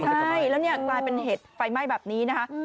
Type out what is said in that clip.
ใช่แล้วเนี่ยกลายเป็นเหตุไฟไหม้แบบนี้นะคะ